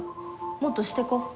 もっとしてこ。